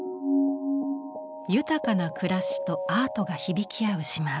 豊かな暮らしとアートが響き合う島。